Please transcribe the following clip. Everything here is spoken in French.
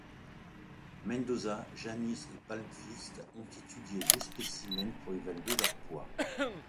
Mendoza, Janis et Palmqvist ont étudié deux spécimens pour évaluer leur poids.